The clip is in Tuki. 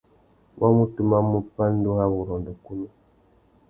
Wa mú tumamú pandúrâwurrôndô kunú.